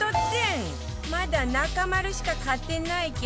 まだ中丸しか買ってないけど